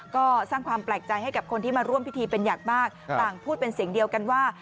ก็สร้างความแปลกใจให้กับคนที่มาร่วมพิธีเป็นอย่างมากต่างพูดเป็นเสียงเดียวกันว่า